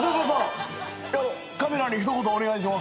カメラに一言お願いします。